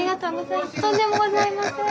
とんでもございません。